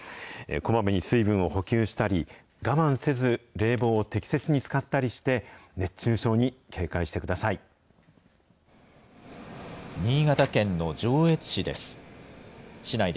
こまめに水分を補給したり、我慢せず冷房を適切に使ったりして、熱中症に警戒してください。